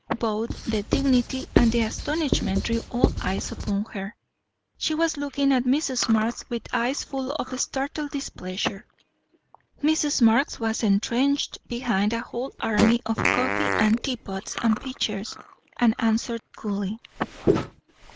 Both the dignity and the astonishment drew all eyes upon her. She was looking at Mrs. Marx with eyes full of startled displeasure. Mrs. Marx was entrenched behind a whole army of coffee and tea pots and pitchers, and answered coolly.